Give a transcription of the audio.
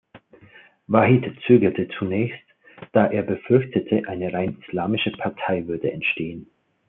Wahid zögerte zunächst, da er befürchtete, eine rein islamische Partei würde entstehen.